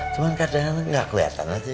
cuman kadang kadang gak keliatan lah sih